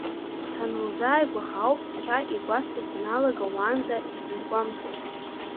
Санылзааигәаха ауп цқьа игәасҭо саналага уаанӡа исызгәамҭоз.